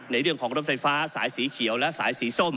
ในเรื่องของรถไฟฟ้าสายสีเขียวและสายสีส้ม